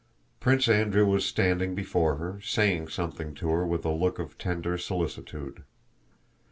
Prince Andrew was standing before her, saying something to her with a look of tender solicitude.